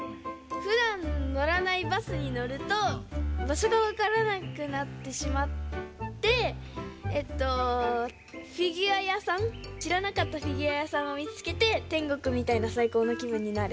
ふだん乗らないバスにのるとばしょがわからなくなってしまってえっとフィギュアやさんしらなかったフィギュアやさんを見つけて天国みたいなサイコーのきぶんになる。